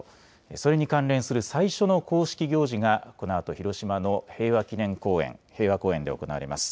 それに関連する最初の公式行事が、このあと広島の平和祈念公園、平和公園で行われます。